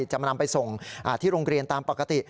จะมานำไปส่งที่โรงเรียนตามปกติ